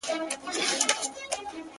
• نو گراني ته چي زما قدم باندي ـ